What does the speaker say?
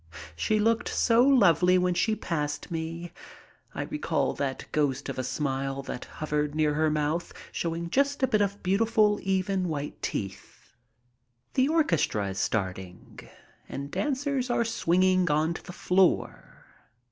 She looked so lovely when she passed me. I recall that ghost of a smile that hovered near her mouth, showing just a bit of beautiful, even, white teeth. The orchestra is starting and dancers are swinging onto the floor.